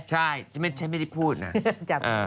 ใช่ฉันไม่ได้พูดนะ